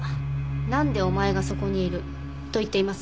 「なんでお前がそこにいる」と言っています。